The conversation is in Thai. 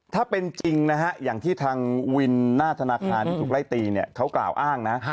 ถ้าเป็นจริงนะฮะอย่างที่ทางวินหน้าธนาคารที่ถูกไล่ตีเนี่ยเขากล่าวอ้างนะ